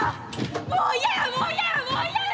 もう嫌やもう嫌やもう嫌や！